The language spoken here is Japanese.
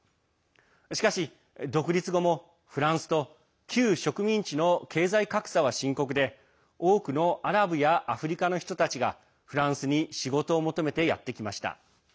しかし、独立後もフランスと旧植民地の経済格差は深刻で多くのアラブやアフリカの人たちがフランスに仕事を求めてやって来ました。